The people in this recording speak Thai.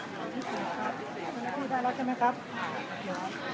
นี่คือพี่ไหมครับ